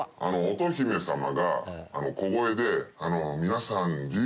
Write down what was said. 乙姫様が小声で皆さん。